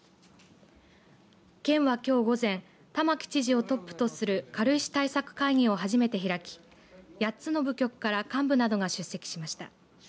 県は、きょう午前玉城知事をトップとする軽石対策会議を初めて開き８つの部局から幹部などが出席しました。